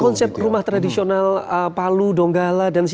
konsep rumah tradisional